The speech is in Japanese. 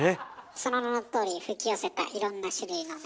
その名のとおりふきよせたいろんな種類のね